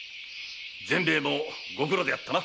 善平もご苦労であったな。